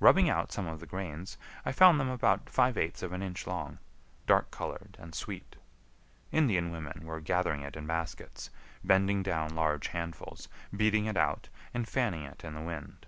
Rubbing out some of the grains, I found them about five eighths of an inch long, dark colored, and sweet. Indian women were gathering it in baskets, bending down large handfuls, beating it out, and fanning it in the wind.